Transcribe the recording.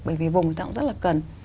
bởi vì vùng người ta cũng rất là cần